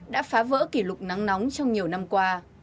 đã phá vỡ kỷ lục nắng nóng trong nhiều năm qua